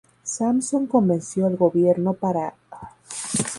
Samson convenció al gobierno para reconstruir y financiar la Base Gamma.